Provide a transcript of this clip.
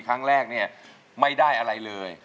ครั้งแรกเนี่ยไม่ได้อะไรเลย